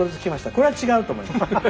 これは違うと思います。